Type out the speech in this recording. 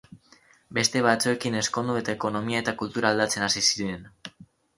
Beste batzuekin ezkondu eta ekonomia eta kultura aldatzen hasi ziren.